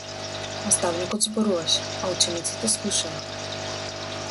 Наставникот зборуваше а учениците слушаа.